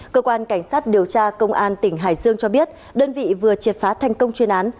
cơ quan cảnh sát điều tra công an tỉnh hải dương cho biết đơn vị vừa triệt phá thành công chuyên án